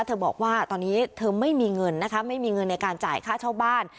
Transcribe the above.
บอกว่าตอนนี้เธอไม่มีเงินนะคะไม่มีเงินในการจ่ายค่าเช่าบ้าน